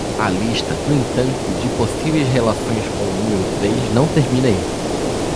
A lista, no entanto, de possíveis relações com o número três não termina aí.